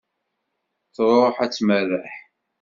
Truḥ ad tmerreḥ.